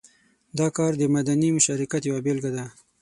دا کار د مدني مشارکت یوه بېلګه ده.